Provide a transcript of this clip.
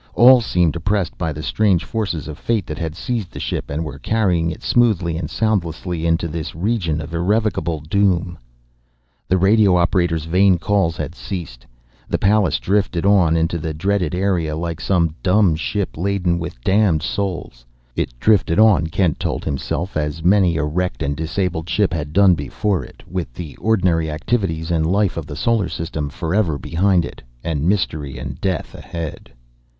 All seemed oppressed by the strange forces of fate that had seized the ship and were carrying it, smoothly and soundlessly, into this region of irrevocable doom. The radio operators' vain calls had ceased. The Pallas drifted on into the dreaded area like some dumb ship laden with damned souls. It drifted on, Kent told himself, as many a wrecked and disabled ship had done before it, with the ordinary activities and life of the solar system forever behind it, and mystery and death ahead.